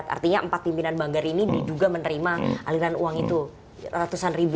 artinya empat pimpinan banggar ini diduga menerima aliran uang itu ratusan ribu